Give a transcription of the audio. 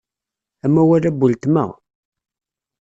Amawal-a n weltma.